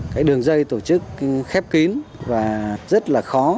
cái đường dây tổ chức khép kín và rất là khó